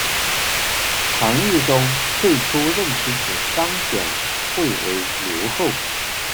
唐懿宗最初任其子张简会为留后。